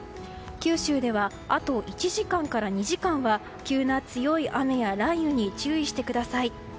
九州ではあと１時間から２時間は急な強い雨や雷雨に注意してください。